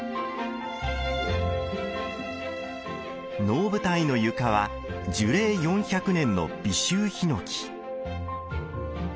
能舞台の床は樹齢４００年の尾州檜。